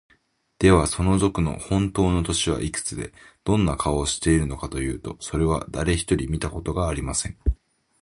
では、その賊のほんとうの年はいくつで、どんな顔をしているのかというと、それは、だれひとり見たことがありません。